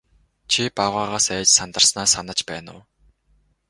Чи баавгайгаас айж сандарснаа санаж байна уу?